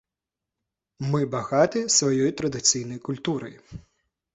Мы багатыя сваёй традыцыйнай культурай.